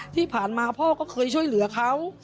ที่ผ่านมาพ่อก็เคยช่วยเหลือเขา